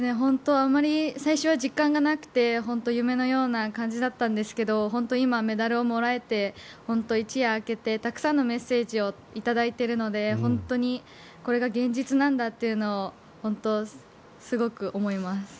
最初は実感がなくて本当、夢のような感じだったんですが今、メダルをもらえて本当、一夜明けてたくさんのメッセージを頂いているので本当にこれが現実なんだっていうのを本当にすごく思います。